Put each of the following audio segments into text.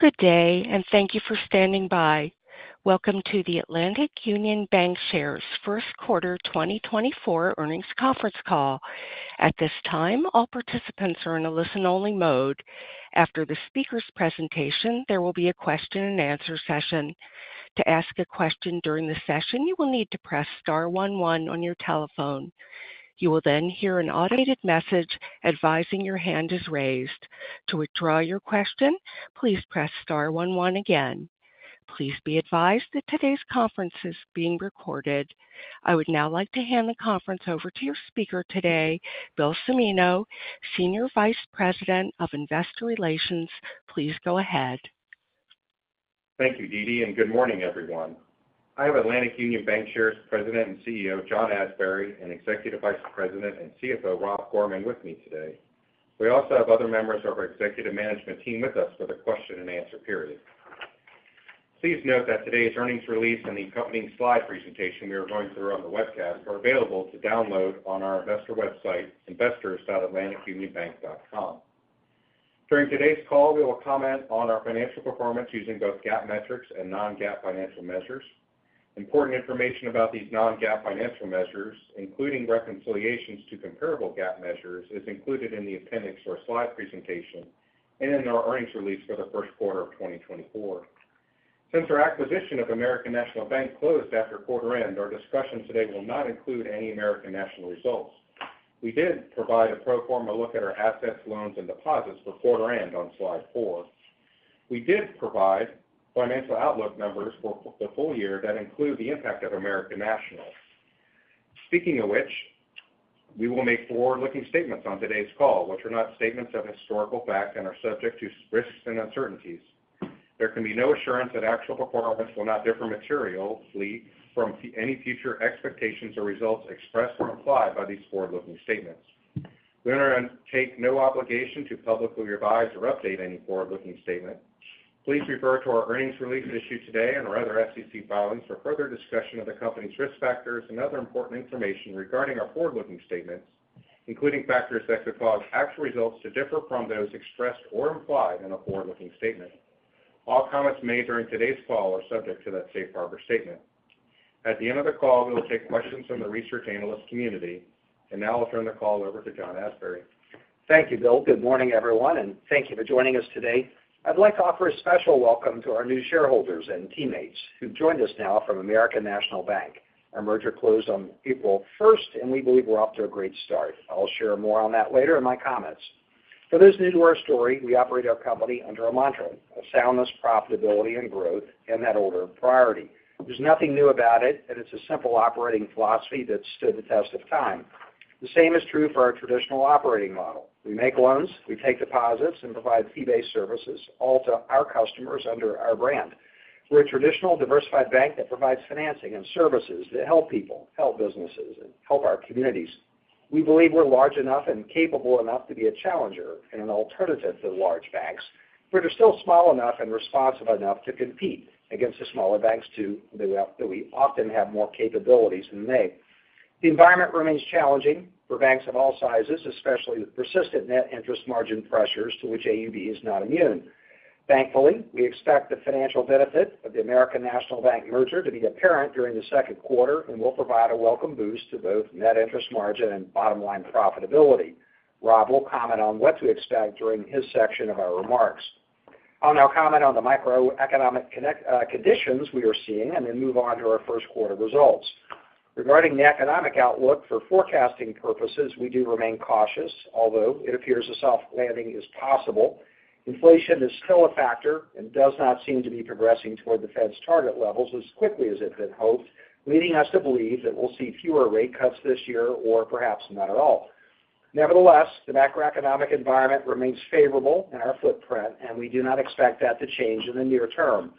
Good day, and thank you for standing by. Welcome to the Atlantic Union Bankshares first quarter 2024 earnings conference call. At this time, all participants are in a listen-only mode. After the speaker's presentation, there will be a question and answer session. To ask a question during the session, you will need to press star one one on your telephone. You will then hear an automated message advising your hand is raised. To withdraw your question, please press star one one again. Please be advised that today's conference is being recorded. I would now like to hand the conference over to your speaker today, Bill Cimino, Senior Vice President of Investor Relations. Please go ahead. Thank you, Deedee, and good morning, everyone. I have Atlantic Union Bankshares President and CEO, John Asbury, and Executive Vice President and CFO, Rob Gorman, with me today. We also have other members of our executive management team with us for the question and answer period. Please note that today's earnings release and the accompanying slide presentation we are going through on the webcast are available to download on our investor website, investors.atlanticunionbank.com. During today's call, we will comment on our financial performance using both GAAP metrics and non-GAAP financial measures. Important information about these non-GAAP financial measures, including reconciliations to comparable GAAP measures, is included in the appendix or slide presentation and in our earnings release for the first quarter of 2024. Since our acquisition of American National Bank closed after quarter end, our discussion today will not include any American National results. We did provide a pro forma look at our assets, loans, and deposits for quarter end on slide four. We did provide financial outlook numbers for the full year that include the impact of American National. Speaking of which, we will make forward-looking statements on today's call, which are not statements of historical fact and are subject to risks and uncertainties. There can be no assurance that actual performance will not differ materially from any future expectations or results expressed or implied by these forward-looking statements. We undertake no obligation to publicly revise or update any forward-looking statement. Please refer to our earnings release issued today and our other SEC filings for further discussion of the company's risk factors and other important information regarding our forward-looking statements, including factors that could cause actual results to differ from those expressed or implied in a forward-looking statement. All comments made during today's call are subject to that safe harbor statement. At the end of the call, we will take questions from the research analyst community, and now I'll turn the call over to John Asbury. Thank you, Bill. Good morning, everyone, and thank you for joining us today. I'd like to offer a special welcome to our new shareholders and teammates who've joined us now from American National Bank. Our merger closed on April 1st, and we believe we're off to a great start. I'll share more on that later in my comments. For those new to our story, we operate our company under a mantra of soundness, profitability, and growth, in that order of priority. There's nothing new about it, and it's a simple operating philosophy that's stood the test of time. The same is true for our traditional operating model. We make loans, we take deposits, and provide fee-based services, all to our customers under our brand. We're a traditional, diversified bank that provides financing and services that help people, help businesses, and help our communities. We believe we're large enough and capable enough to be a challenger and an alternative to large banks, but are still small enough and responsive enough to compete against the smaller banks, too, that we, that we often have more capabilities than they. The environment remains challenging for banks of all sizes, especially the persistent net interest margin pressures to which AUB is not immune. Thankfully, we expect the financial benefit of the American National Bank merger to be apparent during the second quarter and will provide a welcome boost to both net interest margin and bottom-line profitability. Rob will comment on what to expect during his section of our remarks. I'll now comment on the microeconomic conditions we are seeing and then move on to our first quarter results. Regarding the economic outlook for forecasting purposes, we do remain cautious, although it appears a soft landing is possible. Inflation is still a factor and does not seem to be progressing toward the Fed's target levels as quickly as it had hoped, leading us to believe that we'll see fewer rate cuts this year or perhaps not at all. Nevertheless, the macroeconomic environment remains favorable in our footprint, and we do not expect that to change in the near term.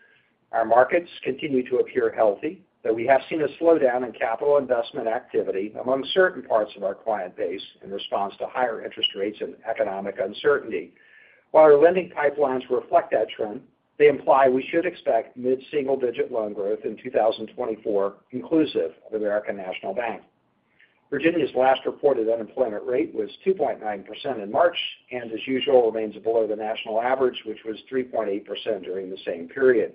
Our markets continue to appear healthy, though we have seen a slowdown in capital investment activity among certain parts of our client base in response to higher interest rates and economic uncertainty. While our lending pipelines reflect that trend, they imply we should expect mid-single-digit loan growth in 2024, inclusive of American National Bank. Virginia's last reported unemployment rate was 2.9% in March, and as usual, remains below the national average, which was 3.8% during the same period.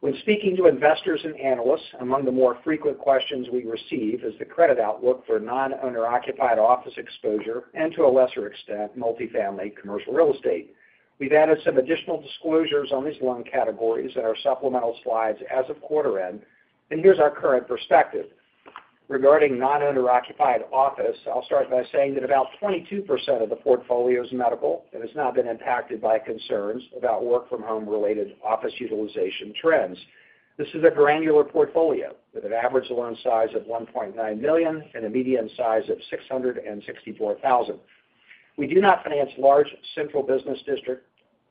When speaking to investors and analysts, among the more frequent questions we receive is the credit outlook for non-owner occupied office exposure and, to a lesser extent, multifamily commercial real estate. We've added some additional disclosures on these loan categories in our supplemental slides as of quarter end, and here's our current perspective. Regarding non-owner occupied office, I'll start by saying that about 22% of the portfolio is medical and has not been impacted by concerns about work-from-home related office utilization trends. This is a granular portfolio with an average loan size of $1.9 million and a median size of $664,000. We do not finance large central business district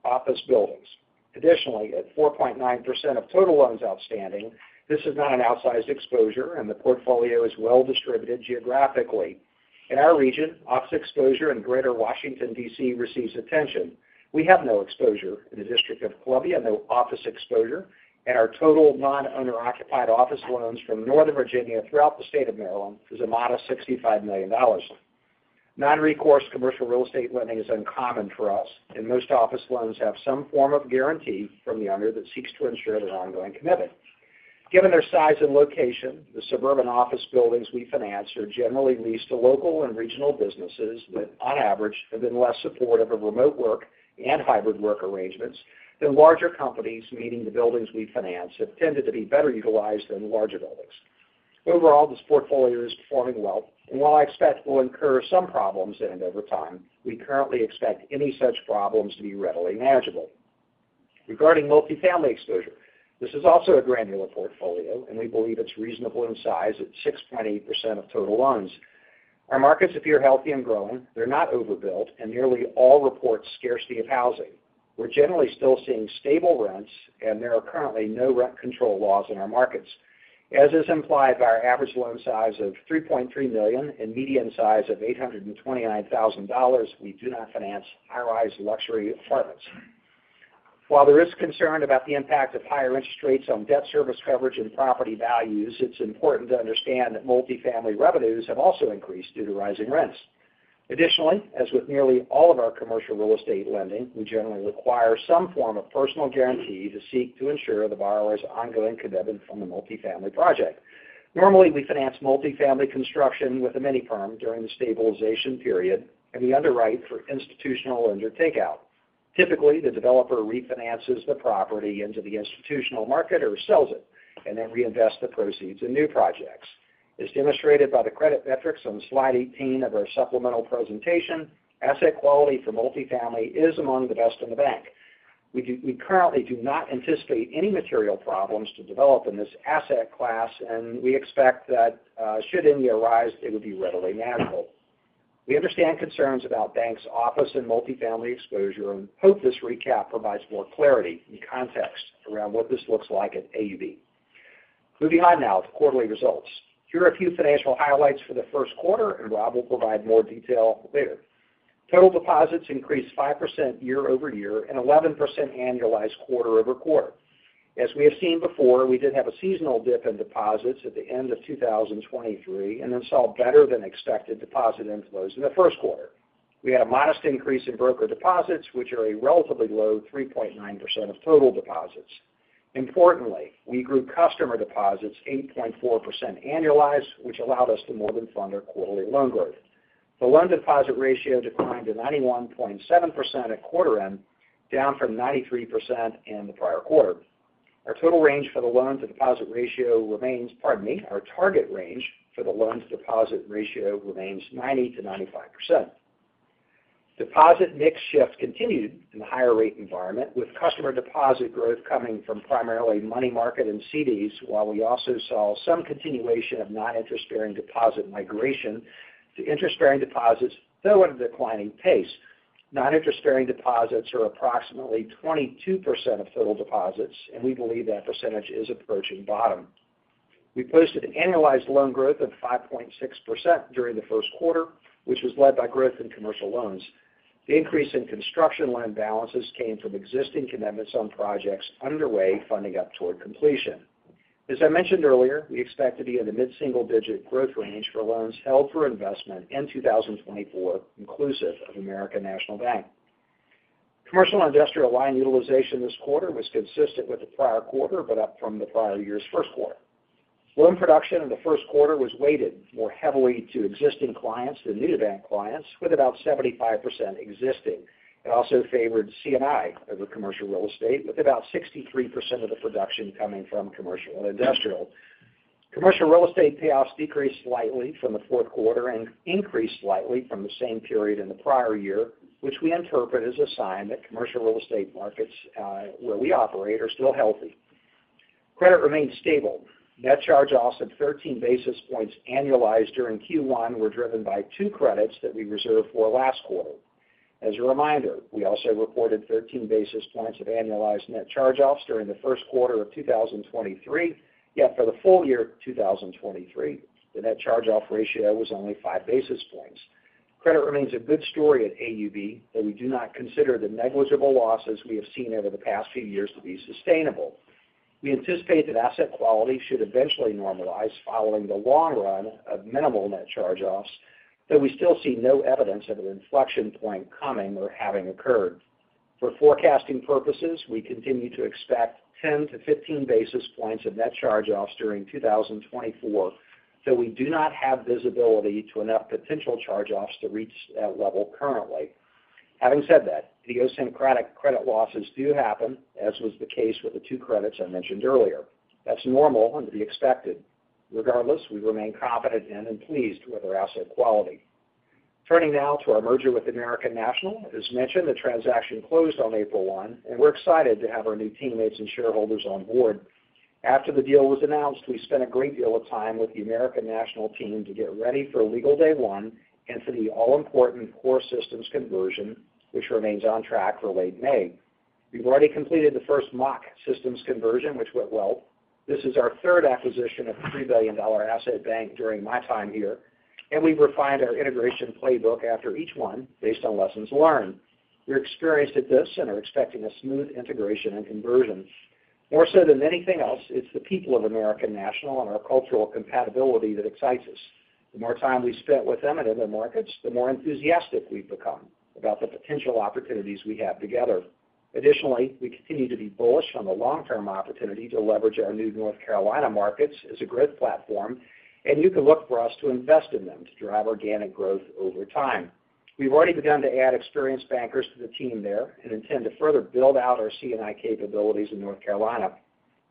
office buildings. Additionally, at 4.9% of total loans outstanding, this is not an outsized exposure, and the portfolio is well distributed geographically. In our region, office exposure in Greater Washington, D.C., receives attention. We have no exposure in the District of Columbia, no office exposure, and our total non-owner occupied office loans from Northern Virginia throughout the State of Maryland is a modest $65 million. Non-recourse commercial real estate lending is uncommon for us, and most office loans have some form of guarantee from the owner that seeks to ensure their ongoing commitment. Given their size and location, the suburban office buildings we finance are generally leased to local and regional businesses that, on average, have been less supportive of remote work and hybrid work arrangements than larger companies, meaning the buildings we finance have tended to be better utilized than larger buildings. Overall, this portfolio is performing well, and while I expect we'll incur some problems in it over time, we currently expect any such problems to be readily manageable. Regarding multifamily exposure, this is also a granular portfolio, and we believe it's reasonable in size at 6.8% of total loans. Our markets appear healthy and growing. They're not overbuilt, and nearly all report scarcity of housing. We're generally still seeing stable rents, and there are currently no rent control laws in our markets. As is implied by our average loan size of $3.3 million and median size of $829,000, we do not finance high-rise luxury apartments. While there is concern about the impact of higher interest rates on debt service coverage and property values, it's important to understand that multifamily revenues have also increased due to rising rents. Additionally, as with nearly all of our commercial real estate lending, we generally require some form of personal guarantee to seek to ensure the borrower's ongoing commitment from the multifamily project. Normally, we finance multifamily construction with a mini-perm during the stabilization period, and we underwrite for institutional lender takeout. Typically, the developer refinances the property into the institutional market or sells it, and then reinvests the proceeds in new projects. As demonstrated by the credit metrics on slide 18 of our supplemental presentation, asset quality for multifamily is among the best in the bank. We currently do not anticipate any material problems to develop in this asset class, and we expect that should any arise, it would be readily manageable. We understand concerns about banks' office and multifamily exposure and hope this recap provides more clarity and context around what this looks like at AUB. Moving on now to quarterly results. Here are a few financial highlights for the first quarter, and Rob will provide more detail later. Total deposits increased 5% year-over-year and 11% annualized quarter-over-quarter. As we have seen before, we did have a seasonal dip in deposits at the end of 2023 and then saw better-than-expected deposit inflows in the first quarter. We had a modest increase in broker deposits, which are a relatively low 3.9% of total deposits. Importantly, we grew customer deposits 8.4% annualized, which allowed us to more than fund our quarterly loan growth. The loan deposit ratio declined to 91.7% at quarter end, down from 93% in the prior quarter. Our total range for the loan-to-deposit ratio remains, pardon me, our target range for the loan-to-deposit ratio remains 90%-95%. Deposit mix shift continued in the higher rate environment, with customer deposit growth coming from primarily money market and CDs, while we also saw some continuation of non-interest-bearing deposit migration to interest-bearing deposits, though at a declining pace. Non-interest-bearing deposits are approximately 22% of total deposits, and we believe that percentage is approaching bottom. We posted annualized loan growth of 5.6% during the first quarter, which was led by growth in commercial loans. The increase in construction loan balances came from existing commitments on projects underway, funding up toward completion. As I mentioned earlier, we expect to be in the mid-single-digit growth range for loans held for investment in 2024, inclusive of American National Bank. Commercial and industrial line utilization this quarter was consistent with the prior quarter, but up from the prior year's first quarter. Loan production in the first quarter was weighted more heavily to existing clients than new bank clients, with about 75% existing, and also favored C&I over commercial real estate, with about 63% of the production coming from commercial and industrial. Commercial real estate payoffs decreased slightly from the fourth quarter and increased slightly from the same period in the prior year, which we interpret as a sign that commercial real estate markets, where we operate are still healthy. Credit remains stable. Net charge-offs at 13 basis points annualized during Q1 were driven by two credits that we reserved for last quarter. As a reminder, we also reported 13 basis points of annualized net charge-offs during the first quarter of 2023, yet for the full year 2023, the net charge-off ratio was only 5 basis points. Credit remains a good story at AUB, though we do not consider the negligible losses we have seen over the past few years to be sustainable. We anticipate that asset quality should eventually normalize following the long run of minimal net charge-offs, though we still see no evidence of an inflection point coming or having occurred. For forecasting purposes, we continue to expect 10-15 basis points of net charge-offs during 2024, though we do not have visibility to enough potential charge-offs to reach that level currently. Having said that, idiosyncratic credit losses do happen, as was the case with the two credits I mentioned earlier. That's normal and to be expected. Regardless, we remain confident in and pleased with our asset quality. Turning now to our merger with American National. As mentioned, the transaction closed on April 1, and we're excited to have our new teammates and shareholders on board. After the deal was announced, we spent a great deal of time with the American National team to get ready for legal day one and for the all-important core systems conversion, which remains on track for late May. We've already completed the first mock systems conversion, which went well. This is our third acquisition of a $3 billion asset bank during my time here, and we've refined our integration playbook after each one based on lessons learned. We're experienced at this and are expecting a smooth integration and conversion.... More so than anything else, it's the people of American National and our cultural compatibility that excites us. The more time we spent with them in other markets, the more enthusiastic we've become about the potential opportunities we have together. Additionally, we continue to be bullish on the long-term opportunity to leverage our new North Carolina markets as a growth platform, and you can look for us to invest in them to drive organic growth over time. We've already begun to add experienced bankers to the team there and intend to further build out our C&I capabilities in North Carolina.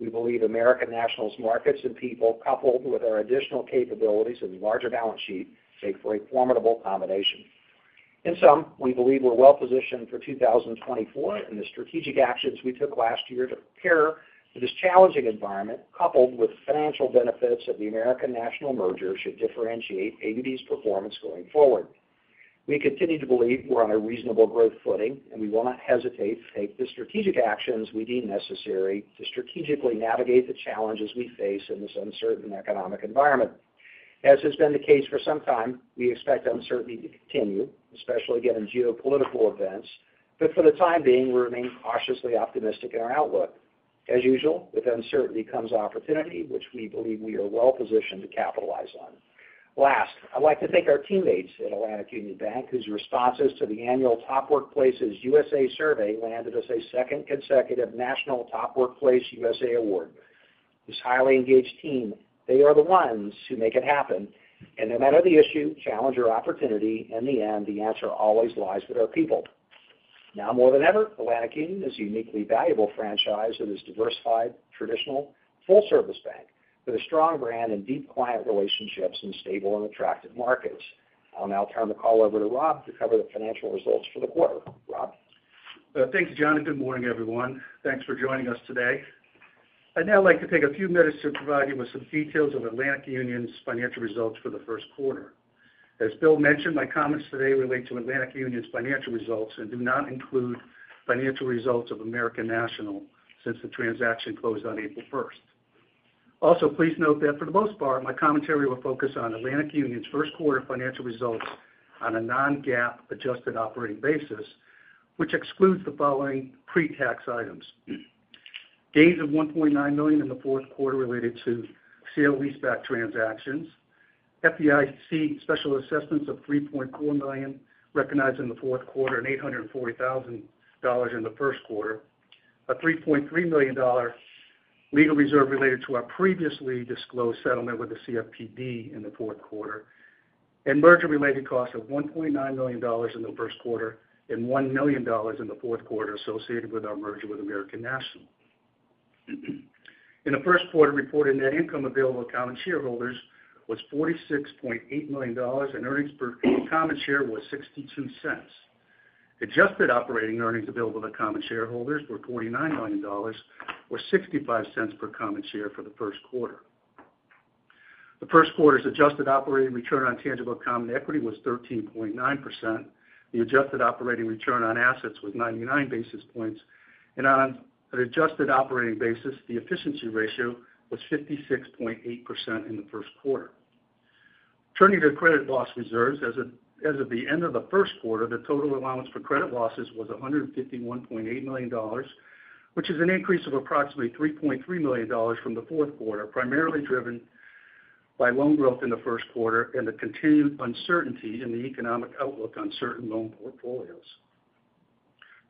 We believe American National's markets and people, coupled with our additional capabilities and larger balance sheet, make for a formidable combination. In sum, we believe we're well positioned for 2024, and the strategic actions we took last year to prepare for this challenging environment, coupled with the financial benefits of the American National merger, should differentiate AUB's performance going forward. We continue to believe we're on a reasonable growth footing, and we will not hesitate to take the strategic actions we deem necessary to strategically navigate the challenges we face in this uncertain economic environment. As has been the case for some time, we expect uncertainty to continue, especially given geopolitical events, but for the time being, we remain cautiously optimistic in our outlook. As usual, with uncertainty comes opportunity, which we believe we are well positioned to capitalize on. Last, I'd like to thank our teammates at Atlantic Union Bank, whose responses to the annual Top Workplaces U.S.A. survey landed us a second consecutive National Top Workplaces U.S.A. award. This highly engaged team, they are the ones who make it happen, and no matter the issue, challenge, or opportunity, in the end, the answer always lies with our people. Now more than ever, Atlantic Union is a uniquely valuable franchise that is diversified, traditional, full-service bank with a strong brand and deep client relationships in stable and attractive markets. I'll now turn the call over to Rob to cover the financial results for the quarter. Rob? Thanks, John, and good morning, everyone. Thanks for joining us today. I'd now like to take a few minutes to provide you with some details of Atlantic Union's financial results for the first quarter. As Bill mentioned, my comments today relate to Atlantic Union's financial results and do not include financial results of American National since the transaction closed on April 1st. Also, please note that for the most part, my commentary will focus on Atlantic Union's first quarter financial results on a non-GAAP adjusted operating basis, which excludes the following pre-tax items: gains of $1.9 million in the fourth quarter related to sale leaseback transactions, FDIC special assessments of $3.4 million, recognized in the fourth quarter, and $840,000 in the first quarter, a $3.3 million legal reserve related to our previously disclosed settlement with the CFPB in the fourth quarter, and merger-related costs of $1.9 million in the first quarter and $1 million in the fourth quarter associated with our merger with American National. In the first quarter, reported net income available to common shareholders was $46.8 million, and earnings per common share was $0.62. Adjusted operating earnings available to common shareholders were $49 million, or $0.65 per common share for the first quarter. The first quarter's adjusted operating return on tangible common equity was 13.9%. The adjusted operating return on assets was 99 basis points, and on an adjusted operating basis, the efficiency ratio was 56.8% in the first quarter. Turning to credit loss reserves, as of the end of the first quarter, the total allowance for credit losses was $151.8 million, which is an increase of approximately $3.3 million from the fourth quarter, primarily driven by loan growth in the first quarter and the continued uncertainty in the economic outlook on certain loan portfolios.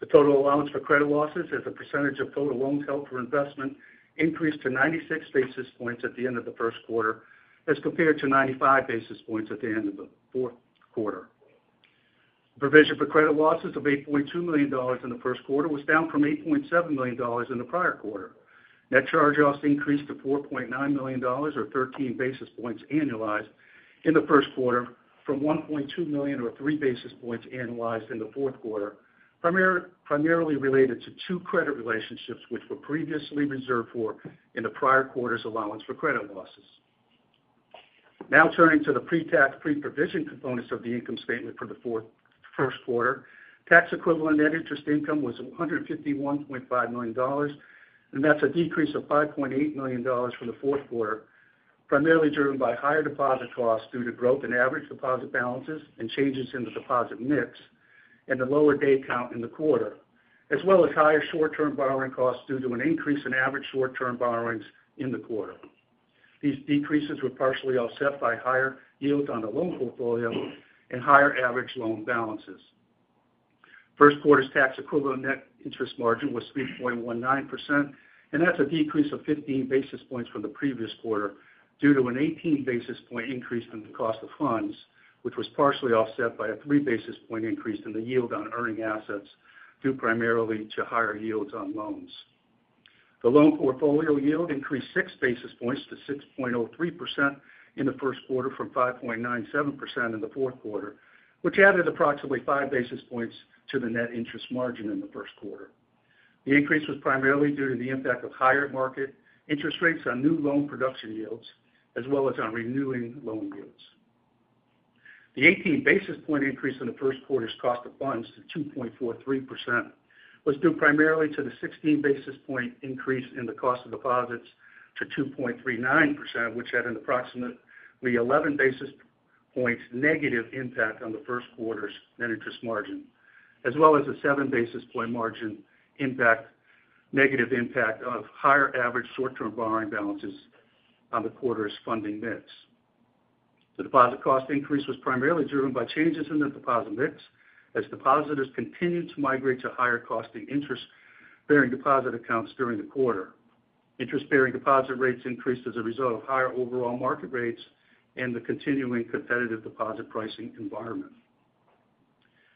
The total allowance for credit losses as a percentage of total loans held for investment increased to 96 basis points at the end of the first quarter, as compared to 95 basis points at the end of the fourth quarter. Provision for credit losses of $8.2 million in the first quarter was down from $8.7 million in the prior quarter. Net charge-offs increased to $4.9 million, or 13 basis points annualized in the first quarter, from $1.2 million or 3 basis points annualized in the fourth quarter, primarily related to two credit relationships, which were previously reserved for in the prior quarter's allowance for credit losses. Now turning to the pre-tax, pre-provision components of the income statement for the first quarter. Tax-equivalent net interest income was $151.5 million, and that's a decrease of $5.8 million from the fourth quarter, primarily driven by higher deposit costs due to growth in average deposit balances and changes in the deposit mix and the lower day count in the quarter, as well as higher short-term borrowing costs due to an increase in average short-term borrowings in the quarter. These decreases were partially offset by higher yields on the loan portfolio and higher average loan balances. First quarter's tax-equivalent net interest margin was 3.19%, and that's a decrease of 15 basis points from the previous quarter due to an 18 basis point increase in the cost of funds, which was partially offset by a 3 basis point increase in the yield on earning assets, due primarily to higher yields on loans. The loan portfolio yield increased 6 basis points to 6.03% in the first quarter from 5.97% in the fourth quarter, which added approximately 5 basis points to the net interest margin in the first quarter. The increase was primarily due to the impact of higher market interest rates on new loan production yields, as well as on renewing loan yields. The 18 basis point increase in the first quarter's cost of funds to 2.43% was due primarily to the 16 basis point increase in the cost of deposits to 2.39%, which had an approximately 11 basis points negative impact on the first quarter's net interest margin, as well as a 7 basis point margin impact, negative impact of higher average short-term borrowing balances on the quarter's funding mix. The deposit cost increase was primarily driven by changes in the deposit mix, as depositors continued to migrate to higher costing interest-bearing deposit accounts during the quarter. Interest-bearing deposit rates increased as a result of higher overall market rates and the continuing competitive deposit pricing environment.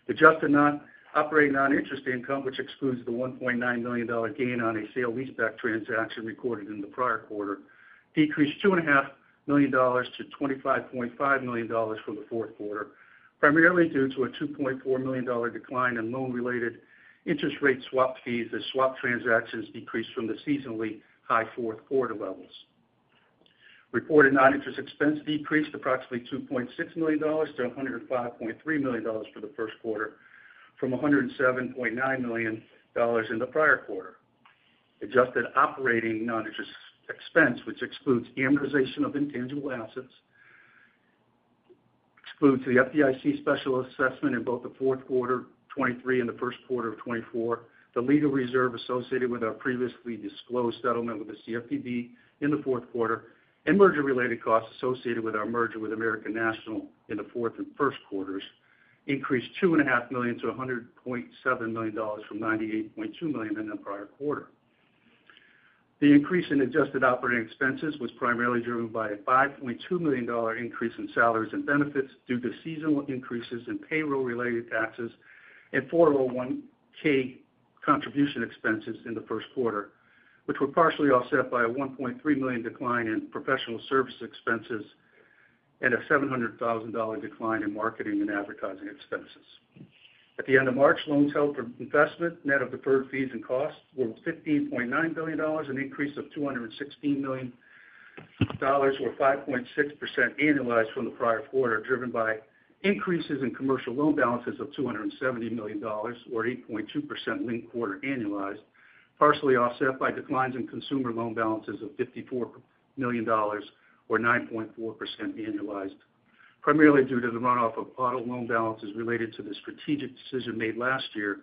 Adjusted non-operating non-interest income, which excludes the $1.9 million gain on a sale-leaseback transaction recorded in the prior quarter, decreased $2.5 million to $25.5 million from the fourth quarter, primarily due to a $2.4 million decline in loan-related interest rate swap fees, as swap transactions decreased from the seasonally high fourth quarter levels. Reported non-interest expense decreased approximately $2.6 million to $105.3 million for the first quarter from $107.9 million in the prior quarter. Adjusted operating non-interest expense, which excludes amortization of intangible assets, excludes the FDIC special assessment in both the fourth quarter of 2023 and the first quarter of 2024, the legal reserve associated with our previously disclosed settlement with the CFPB in the fourth quarter, and merger-related costs associated with our merger with American National in the fourth and first quarters, increased $2.5 million to $100.7 million from $98.2 million in the prior quarter. The increase in adjusted operating expenses was primarily driven by a $5.2 million increase in salaries and benefits due to seasonal increases in payroll-related taxes and 401(k) contribution expenses in the first quarter, which were partially offset by a $1.3 million decline in professional service expenses and a $700,000 decline in marketing and advertising expenses. At the end of March, loans held for investment, net of deferred fees and costs, were $15.9 billion, an increase of $216 million or 5.6% annualized from the prior quarter, driven by increases in commercial loan balances of $270 million, or 8.2% linked quarter annualized, partially offset by declines in consumer loan balances of $54 million or 9.4% annualized, primarily due to the runoff of auto loan balances related to the strategic decision made last year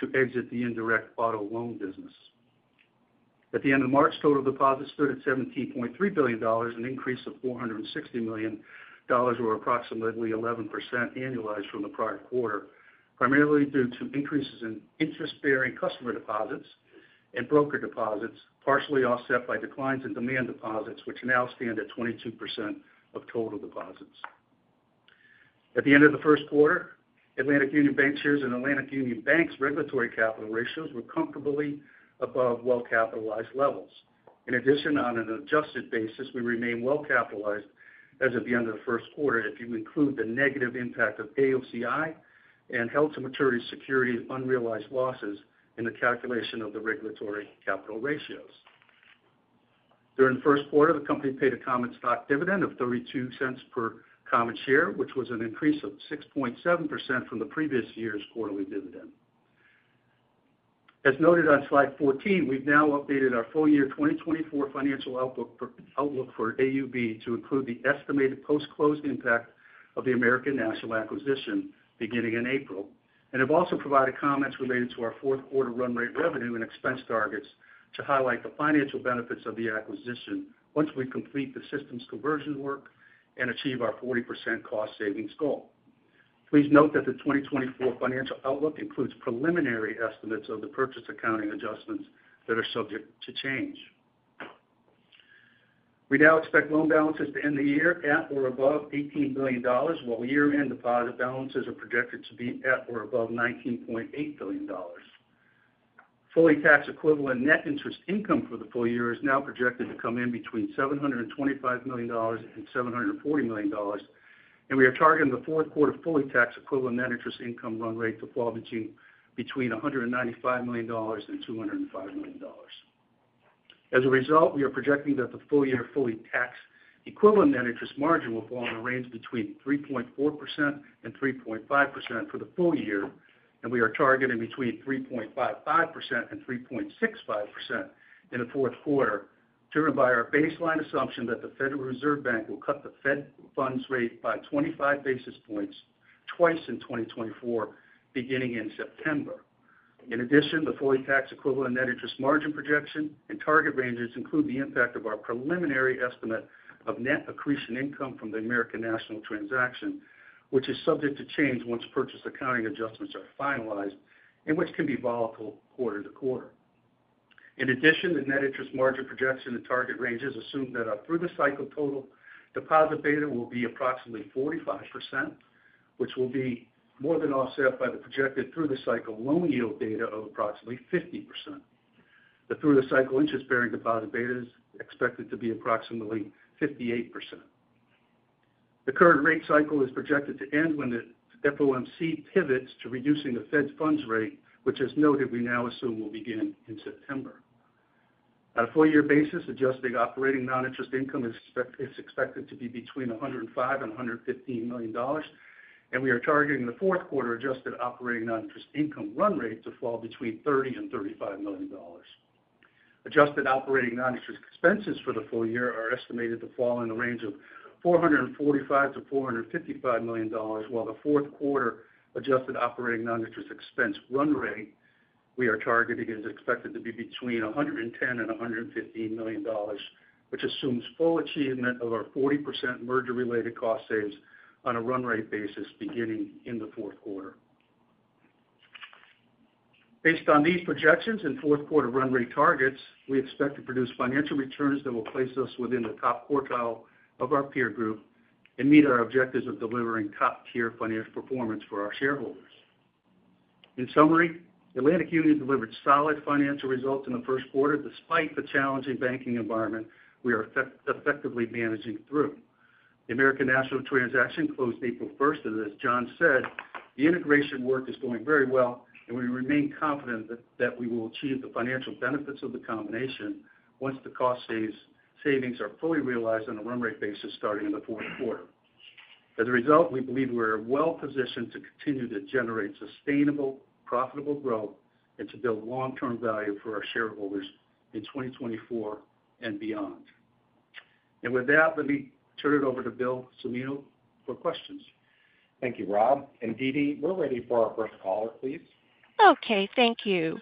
to exit the indirect auto loan business. At the end of March, total deposits stood at $17.3 billion, an increase of $460 million, or approximately 11% annualized from the prior quarter, primarily due to increases in interest-bearing customer deposits and broker deposits, partially offset by declines in demand deposits, which now stand at 22% of total deposits. At the end of the first quarter, Atlantic Union Bankshares and Atlantic Union Bank's regulatory capital ratios were comfortably above well-capitalized levels. In addition, on an adjusted basis, we remain well capitalized as of the end of the first quarter if you include the negative impact of AOCI and held-to-maturity securities unrealized losses in the calculation of the regulatory capital ratios. During the first quarter, the company paid a common stock dividend of $0.32 per common share, which was an increase of 6.7% from the previous year's quarterly dividend. As noted on slide 14, we've now updated our full year 2024 financial outlook for AUB to include the estimated post-close impact of the American National acquisition beginning in April, and have also provided comments related to our fourth quarter run rate revenue and expense targets to highlight the financial benefits of the acquisition once we complete the systems conversion work and achieve our 40% cost savings goal. Please note that the 2024 financial outlook includes preliminary estimates of the purchase accounting adjustments that are subject to change. We now expect loan balances to end the year at or above $18 billion, while year-end deposit balances are projected to be at or above $19.8 billion. Fully Tax Equivalent net interest income for the full year is now projected to come in between $725 million and $740 million, and we are targeting the fourth quarter Fully Tax Equivalent net interest income run rate to fall between $195 million and $205 million. As a result, we are projecting that the full year fully tax equivalent net interest margin will fall in a range between 3.4% and 3.5% for the full year, and we are targeting between 3.55% and 3.65% in the fourth quarter, driven by our baseline assumption that the Federal Reserve Bank will cut the Fed funds rate by 25 basis points twice in 2024, beginning in September. In addition, the fully tax equivalent net interest margin projection and target ranges include the impact of our preliminary estimate of net accretion income from the American National transaction, which is subject to change once purchase accounting adjustments are finalized and which can be volatile quarter to quarter. In addition, the net interest margin projection and target ranges assume that our through-the-cycle total deposit beta will be approximately 45%, which will be more than offset by the projected through-the-cycle loan yield beta of approximately 50%. The through-the-cycle interest-bearing deposit beta is expected to be approximately 58%. The current rate cycle is projected to end when the FOMC pivots to reducing the Fed funds rate, which, as noted, we now assume will begin in September. On a full-year basis, adjusted operating non-interest income is expected to be between $105 million and $115 million, and we are targeting the fourth quarter adjusted operating non-interest income run rate to fall between $30 million and $35 million. Adjusted operating non-interest expenses for the full year are estimated to fall in the range of $445 million-$455 million, while the fourth quarter adjusted operating non-interest expense run rate we are targeting is expected to be between $110 million-$115 million, which assumes full achievement of our 40% merger-related cost saves on a run rate basis beginning in the fourth quarter. Based on these projections and fourth quarter run rate targets, we expect to produce financial returns that will place us within the top quartile of our peer group and meet our objectives of delivering top-tier financial performance for our shareholders. In summary, Atlantic Union delivered solid financial results in the first quarter, despite the challenging banking environment we are effectively managing through. The American National transaction closed April first, and as John said, the integration work is going very well, and we remain confident that we will achieve the financial benefits of the combination once the cost savings are fully realized on a run rate basis starting in the fourth quarter. As a result, we believe we're well positioned to continue to generate sustainable, profitable growth and to build long-term value for our shareholders in 2024 and beyond. And with that, let me turn it over to Bill Cimino for questions. Thank you, Rob. Deedee, we're ready for our first caller, please. Okay, thank you.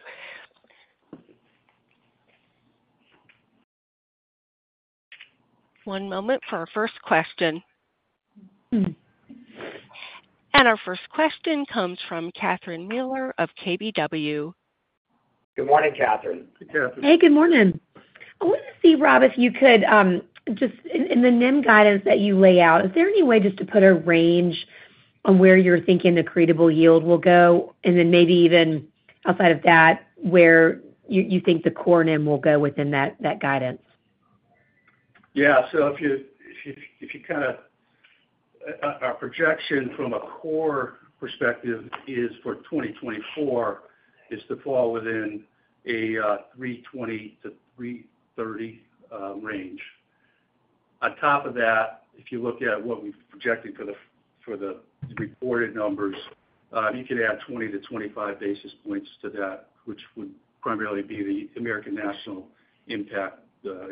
One moment for our first question. Our first question comes from Catherine Mealor of KBW. Good morning, Catherine. Hey, good morning. I wanted to see, Rob, if you could just in the NIM guidance that you lay out, is there any way just to put a range on where you're thinking the accretable yield will go? And then maybe even outside of that, where you think the core NIM will go within that guidance? Yeah. So if you kind of our projection from a core perspective is for 2024, is to fall within a $3.20-$3.30 range. On top of that, if you look at what we've projected for the reported numbers, you could add 20-25 basis points to that, which would primarily be the American National impact,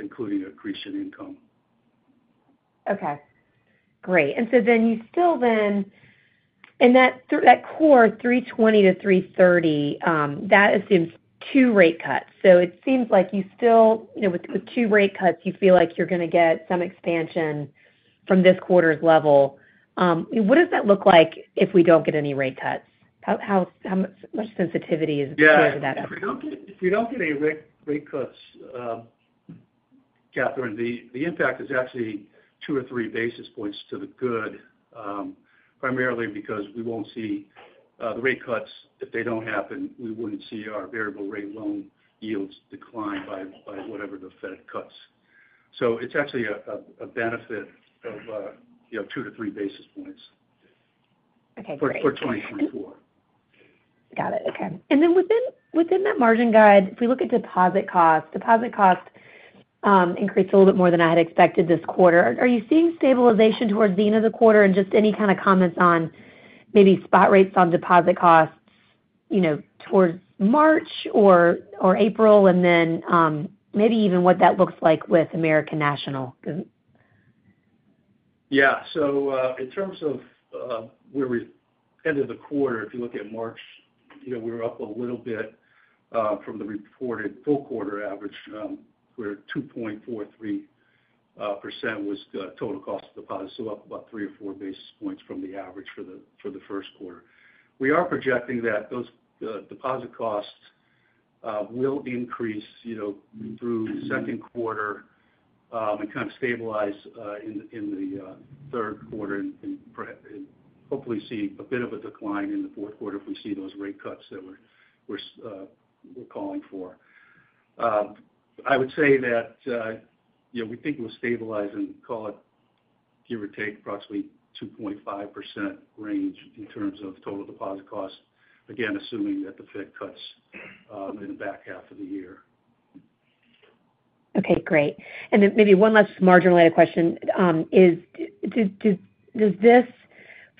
including accretion income. Okay, great. And so then you still... And that, through that core, $3.20-$3.30, that assumes two rate cuts. So it seems like you still, you know, with two rate cuts, you feel like you're going to get some expansion from this quarter's level. What does that look like if we don't get any rate cuts? How much sensitivity is there to that? Yeah, if we don't get any rate cuts, Catherine, the impact is actually 2 or 3 basis points to the good, primarily because we won't see the rate cuts. If they don't happen, we wouldn't see our variable rate loan yields decline by whatever the Fed cuts. So it's actually a benefit of, you know, 2 to 3 basis points- Okay, great. For 2024. Got it. Okay. And then within, within that margin guide, if we look at deposit costs, deposit costs, increased a little bit more than I had expected this quarter. Are you seeing stabilization towards the end of the quarter? And just any kind of comments on maybe spot rates on deposit costs, you know, towards March or, or April, and then, maybe even what that looks like with American National? Yeah. So, in terms of where we ended the quarter, if you look at March, you know, we were up a little bit from the reported full quarter average, where 2.43% was the total cost of deposit. So up about three or four basis points from the average for the first quarter. We are projecting that those deposit costs will increase, you know, through second quarter, and kind of stabilize in the third quarter and hopefully see a bit of a decline in the fourth quarter if we see those rate cuts that we're calling for. I would say that, yeah, we think it will stabilize and call it, give or take, approximately 2.5% range in terms of total deposit costs, again, assuming that the Fed cuts in the back half of the year. Okay, great. And then maybe one last margin-related question. Does this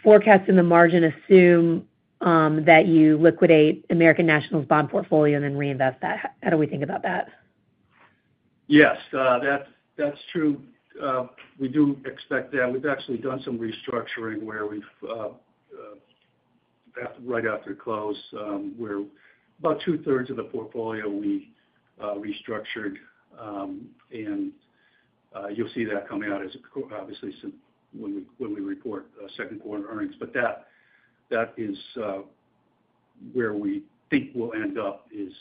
forecast in the margin assume that you liquidate American National's bond portfolio and then reinvest that? How do we think about that? Yes, that's true. We do expect that. We've actually done some restructuring where we've right after close, where about two-thirds of the portfolio we restructured. And you'll see that coming out as, obviously, some when we report second quarter earnings. But that is where we think we'll end up is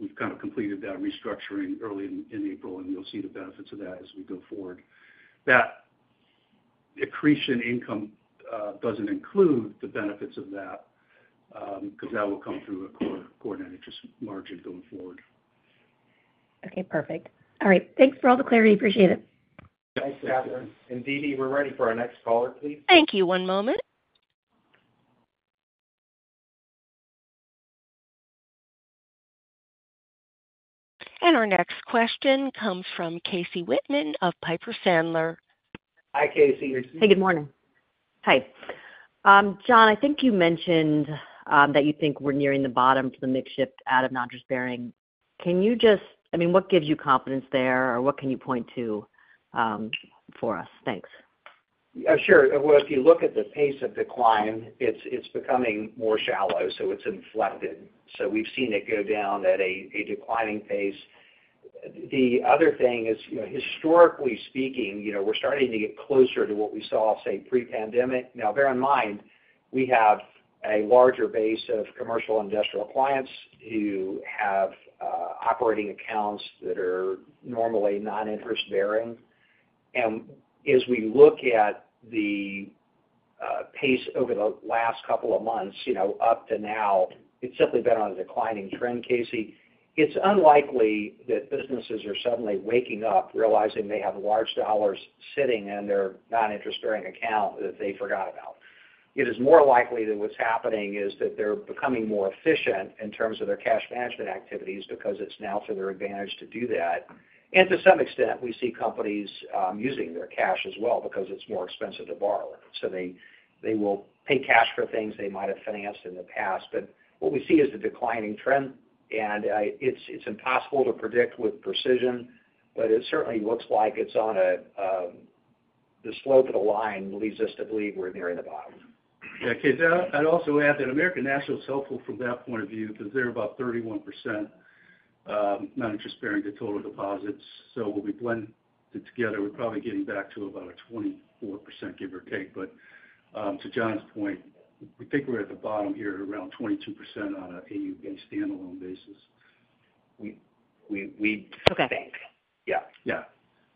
we've kind of completed that restructuring early in April, and you'll see the benefits of that as we go forward. That accretion income doesn't include the benefits of that because that will come through a core net interest margin going forward. Okay, perfect. All right. Thanks for all the clarity. Appreciate it. Thanks, Catherine. And Deedee, we're ready for our next caller, please. Thank you. One moment. And our next question comes from Casey Whitman of Piper Sandler. Hi, Casey. Hey, good morning. John, I think you mentioned that you think we're nearing the bottom for the mix shift out of non-interest-bearing. Can you just, I mean, what gives you confidence there? Or what can you point to, for us? Thanks. Sure. Well, if you look at the pace of decline, it's becoming more shallow, so it's inflected. So we've seen it go down at a declining pace. The other thing is, you know, historically speaking, you know, we're starting to get closer to what we saw, say, pre-pandemic. Now, bear in mind, we have a larger base of commercial industrial clients who have operating accounts that are normally non-interest-bearing. And as we look at the pace over the last couple of months, you know, up to now, it's simply been on a declining trend, Casey. It's unlikely that businesses are suddenly waking up, realizing they have large dollars sitting in their non-interest-bearing account that they forgot about. It is more likely that what's happening is that they're becoming more efficient in terms of their cash management activities because it's now to their advantage to do that. And to some extent, we see companies using their cash as well because it's more expensive to borrow. So they will pay cash for things they might have financed in the past. But what we see is a declining trend, and it's impossible to predict with precision, but it certainly looks like the slope of the line leads us to believe we're nearing the bottom. Yeah, Casey, I'd, I'd also add that American National is helpful from that point of view because they're about 31%, non-interest-bearing to total deposits. So when we blend it together, we're probably getting back to about a 24%, give or take. But, to John's point, we think we're at the bottom here, around 22% on an AUB standalone basis. We. Okay. Think. Yeah. Yeah.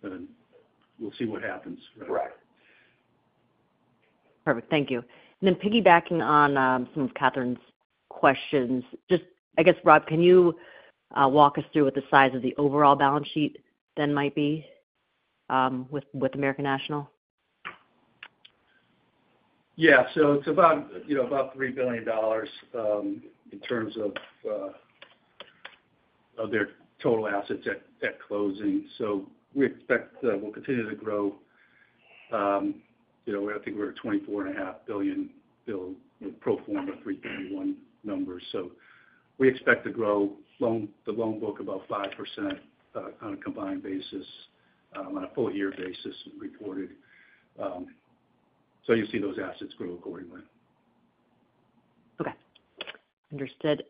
We'll see what happens. Correct. Perfect. Thank you. And then piggybacking on some of Catherine's questions, just I guess, Rob, can you walk us through what the size of the overall balance sheet then might be with American National? Yeah, so it's about, you know, about $3 billion in terms of their total assets at closing. So we expect we'll continue to grow. You know, I think we're at $24.5 billion in pro forma 3/31 numbers. So we expect to grow the loan book about 5% on a combined basis on a full year basis reported. So you'll see those assets grow accordingly. Okay. Understood.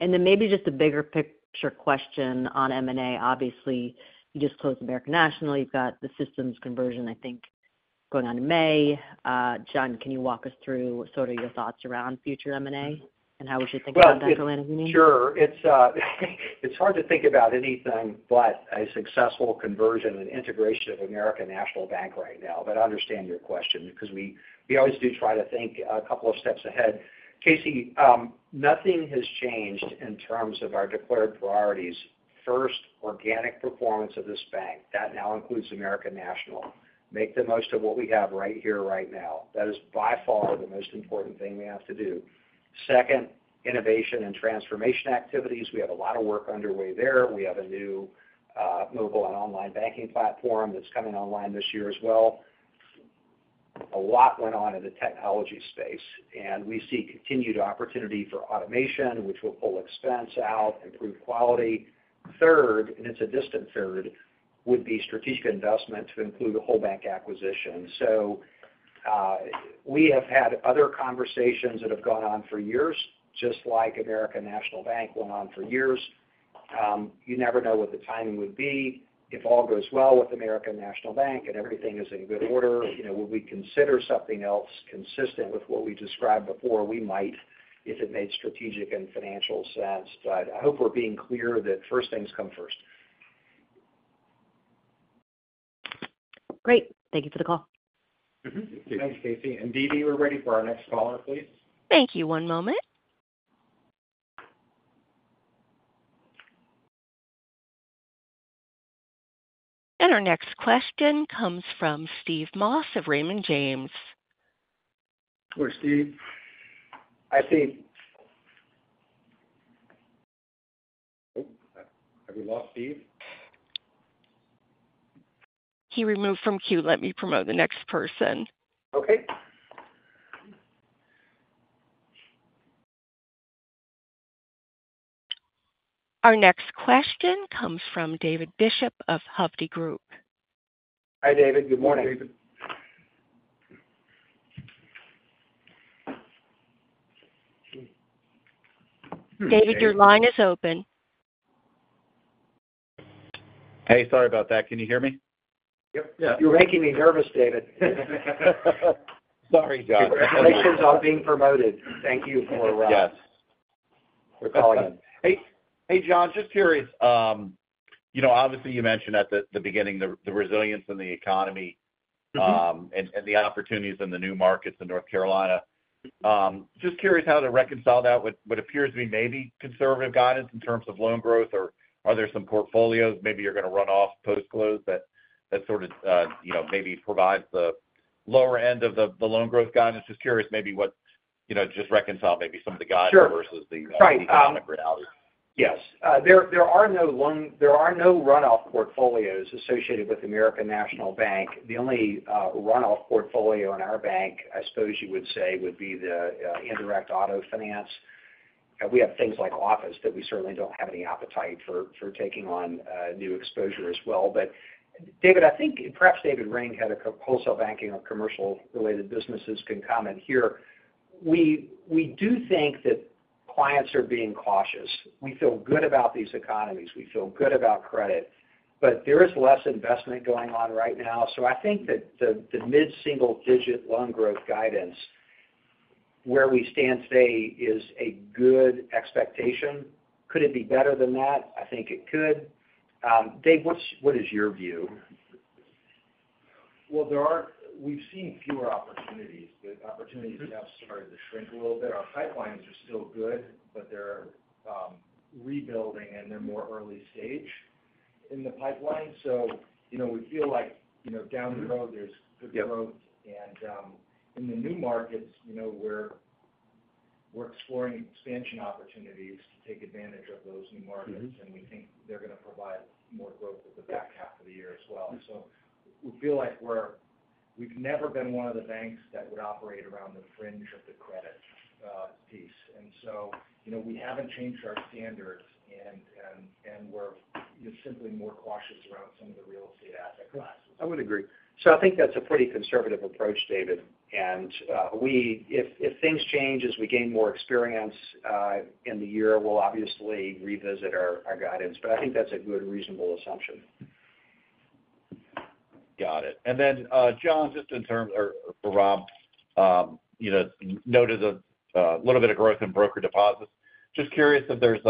And then maybe just a bigger picture question on M&A. Obviously, you just closed American National. You've got the systems conversion, I think, going on in May. John, can you walk us through what, sort of, your thoughts around future M&A, and how we should think about that going into the new year? Sure. It's, it's hard to think about anything but a successful conversion and integration of American National Bank right now. But I understand your question because we, we always do try to think a couple of steps ahead. Casey, nothing has changed in terms of our declared priorities. First, organic performance of this bank, that now includes American National, make the most of what we have right here, right now. That is by far the most important thing we have to do. Second, innovation and transformation activities. We have a lot of work underway there. We have a new, mobile and online banking platform that's coming online this year as well. A lot went on in the technology space, and we see continued opportunity for automation, which will pull expense out, improve quality. Third, and it's a distant third, would be strategic investment to include a whole bank acquisition. So, we have had other conversations that have gone on for years, just like American National Bank went on for years. You never know what the timing would be. If all goes well with American National Bank and everything is in good order, you know, would we consider something else consistent with what we described before? We might, if it made strategic and financial sense. But I hope we're being clear that first things come first. Great. Thank you for the call. Mm-hmm. Thanks, Casey. And Deedee, we're ready for our next caller, please. Thank you. One moment. Our next question comes from Steve Moss of Raymond James. Where's Steve? Hi, Steve. Oh, have we lost Steve? He removed from queue. Let me promote the next person. Okay. Our next question comes from David Bishop of Hovde Group. Hi, David. Good morning. Hi, David. David, your line is open. Hey, sorry about that. Can you hear me? Yep. Yeah. You're making me nervous, David. Sorry, John. Congratulations on being promoted. Thank you for, Yes. For calling in. Hey, hey, John, just curious, you know, obviously, you mentioned at the beginning the resilience in the economy, and the opportunities in the new markets in North Carolina. Just curious how to reconcile that with what appears to be maybe conservative guidance in terms of loan growth, or are there some portfolios maybe you're going to run off post-close that sort of, you know, maybe provides the lower end of the loan growth guidance? Just curious maybe what's... you know, just reconcile maybe some of the guidance... Sure. - versus the economic reality. Yes. There are no runoff portfolios associated with American National Bank. The only runoff portfolio in our bank, I suppose you would say, would be the indirect auto finance. We have things like office that we certainly don't have any appetite for taking on new exposure as well. But David, I think perhaps David Ring, Head of Wholesale Banking or commercial-related businesses, can comment here. We do think that clients are being cautious. We feel good about these economies. We feel good about credit, but there is less investment going on right now. So I think that the mid-single digit loan growth guidance, where we stand today, is a good expectation. Could it be better than that? I think it could. Dave, what is your view? Well, we've seen fewer opportunities. The opportunities have started to shrink a little bit. Our pipelines are still good, but they're rebuilding, and they're more early stage in the pipeline. So you know, we feel like, you know, down the road, there's good growth. Yep. In the new markets, you know, we're exploring expansion opportunities to take advantage of those new markets. Mm-hmm. And we think they're going to provide more growth in the back half of the year as well. So we feel like we're, we've never been one of the banks that would operate around the fringe of the credit piece. And so, you know, we haven't changed our standards, and we're just simply more cautious around some of the real estate asset classes. I would agree. So I think that's a pretty conservative approach, David. And we, if things change as we gain more experience in the year, we'll obviously revisit our guidance, but I think that's a good, reasonable assumption. Got it. And then, John, just in terms, or Rob, you know, noted a little bit of growth in broker deposits. Just curious if there's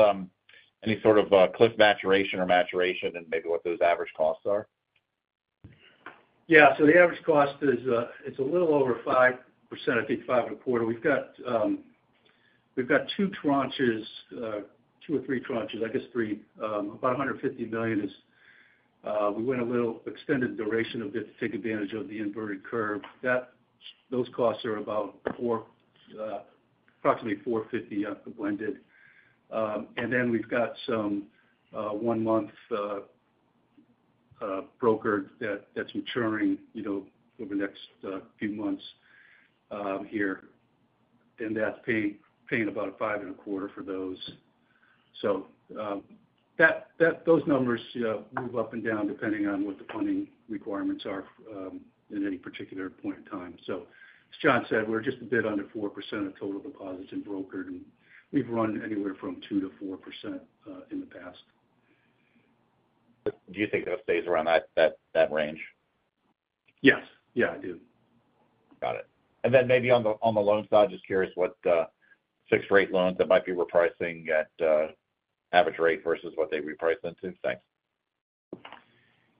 any sort of cliff maturation or maturation and maybe what those average costs are? Yeah. So the average cost is, it's a little over 5%, I think 5.25%. We've got two tranches, two or three tranches, I guess three. About $150 million is, we went a little extended duration of it to take advantage of the inverted curve. Those costs are about 4%, approximately 4.50% at the blended. And then we've got some one-month brokered that's maturing, you know, over the next few months here. And that's paying about 5.25% for those. So, those numbers move up and down, depending on what the funding requirements are in any particular point in time. So as John said, we're just a bit under 4% of total deposits in brokered, and we've run anywhere from 2%-4% in the past. Do you think that stays around that range? Yes. Yeah, I do. Got it. And then maybe on the loan side, just curious what fixed rate loans that might be repricing at average rate versus what they reprice into? Thanks.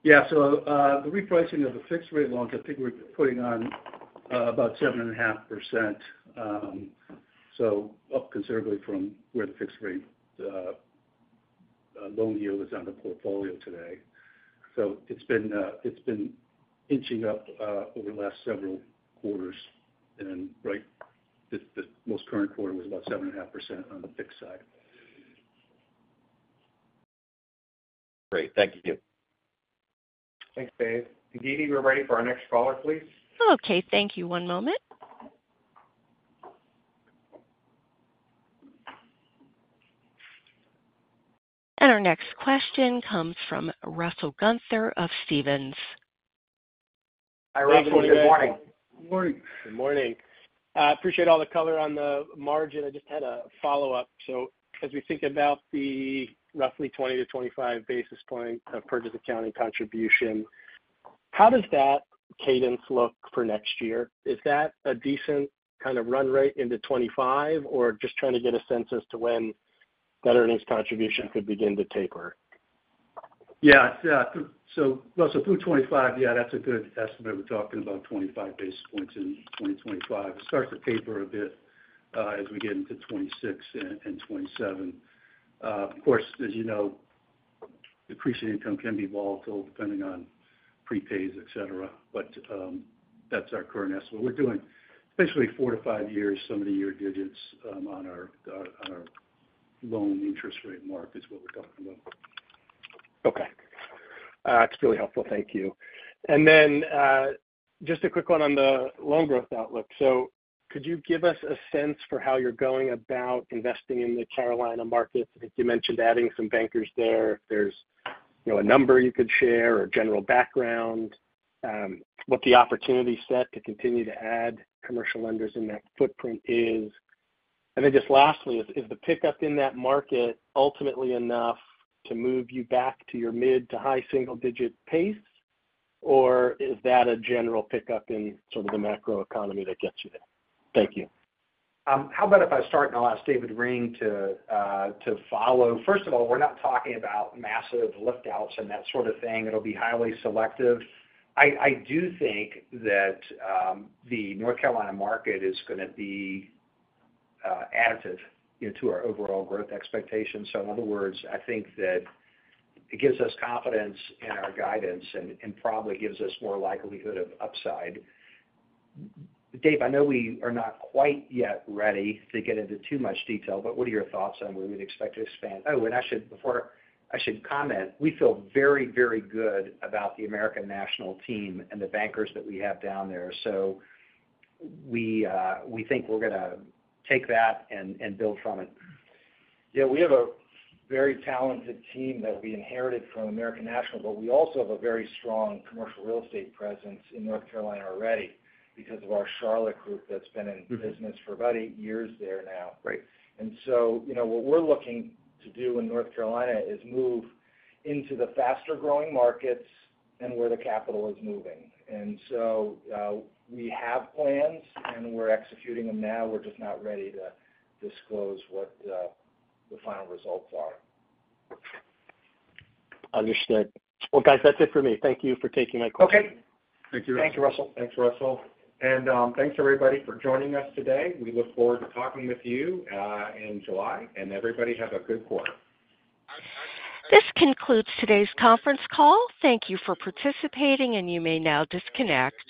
Yeah. So, the repricing of the fixed rate loans, I think we're putting on about 7.5%, so up considerably from where the fixed rate loan yield is on the portfolio today. So it's been inching up over the last several quarters. And the most current quarter was about 7.5% on the fixed side. Great. Thank you. Thanks, Dave. Dee, we're ready for our next caller, please. Okay, thank you. One moment. Our next question comes from Russell Gunther of Stephens. Hi, Russell. Good morning. Good morning. Good morning. I appreciate all the color on the margin. I just had a follow-up. So as we think about the roughly 20-25 basis points of purchase accounting contribution, how does that cadence look for next year? Is that a decent kind of run rate into 2025, or just trying to get a sense as to when that earnings contribution could begin to taper? Yeah. Yeah, so, Russell, through 25, yeah, that's a good estimate. We're talking about 25 basis points in 2025. It starts to taper a bit, as we get into 2026 and 2027. Of course, as you know, decreasing income can be volatile depending on prepays, etc., but that's our current estimate. We're doing basically four to five years, sum-of-the-years-digits, on our on our loan interest rate mark is what we're talking about. Okay. It's really helpful. Thank you. And then, just a quick one on the loan growth outlook. So could you give us a sense for how you're going about investing in the Carolina market? I think you mentioned adding some bankers there. If there's, you know, a number you could share or general background, what the opportunity set to continue to add commercial lenders in that footprint is? And then just lastly, is the pickup in that market ultimately enough to move you back to your mid to high single digit pace, or is that a general pickup in sort of the macroeconomy that gets you there? Thank you. How about if I start and I'll ask David Ring to follow? First of all, we're not talking about massive lift outs and that sort of thing. It'll be highly selective. I do think that the North Carolina market is gonna be additive, you know, to our overall growth expectations. So in other words, I think that it gives us confidence in our guidance and probably gives us more likelihood of upside. Dave, I know we are not quite yet ready to get into too much detail, but what are your thoughts on where we'd expect to expand? Oh, and before I comment, we feel very, very good about the American National team and the bankers that we have down there. So we think we're gonna take that and build from it. Yeah, we have a very talented team that we inherited from American National, but we also have a very strong commercial real estate presence in North Carolina already because of our Charlotte group that's been in business for about eight years there now. Right. You know, what we're looking to do in North Carolina is move into the faster-growing markets and where the capital is moving. We have plans, and we're executing them now. We're just not ready to disclose what the final results are. Understood. Well, guys, that's it for me. Thank you for taking my call. Okay. Thank you, Russell. Thank you, Russell. Thanks, Russell. Thanks, everybody, for joining us today. We look forward to talking with you in July, and everybody have a good quarter. This concludes today's conference call. Thank you for participating, and you may now disconnect.